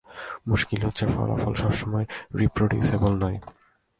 মুশকিল হচ্ছে, ফলাফল সবসময় রিপ্রডিউসিবল নয়।